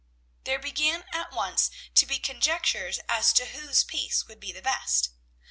There began at once to be conjectures as to whose piece would be the best.